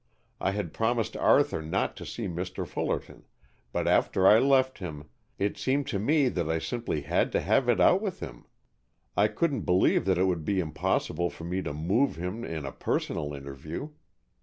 I had promised Arthur not to see Mr. Fullerton, but after I left him, it seemed to me that I simply had to have it out with him. I couldn't believe that it would be impossible for me to move him in a personal interview.